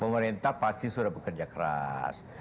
pemerintah pasti sudah bekerja keras